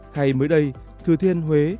hay mới đây thừa thiên huế